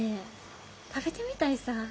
食べてみたいさ。